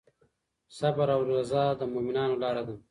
صبر او رضا د مؤمنانو لاره ده.